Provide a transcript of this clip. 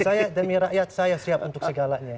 saya demi rakyat saya siap untuk segalanya